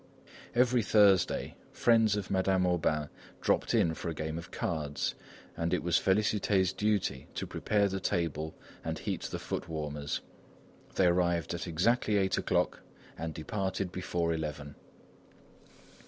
Every Thursday, friends of Madame Aubain dropped in for a game of cards, and it was Félicité's duty to prepare the table and heat the foot warmers. They arrived at exactly eight o'clock and departed before eleven.